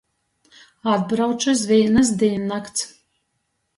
Atbrauču iz vīnys dīnnakts.